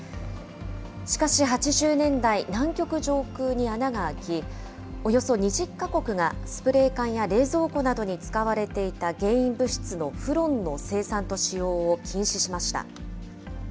しかし、８０年代、南極上空に穴が開き、およそ２０か国がスプレー缶や冷蔵庫などに使われていた原因物質のフロンの生産と使用を禁止しました。